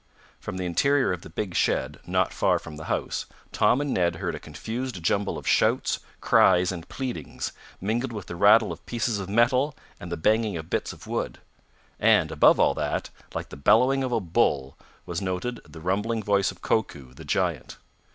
From the interior of the big shed, not far from the house, Tom and Ned heard a confused jumble of shouts, cries and pleadings, mingled with the rattle of pieces of metal, and the banging of bits of wood. And, above all that, like the bellowing of a bull, was noted the rumbling voice of Koku, the giant.